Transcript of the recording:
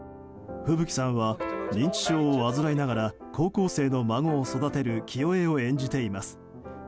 風吹さんは認知症を患いながら高校生の孫を育てる清江を演じています。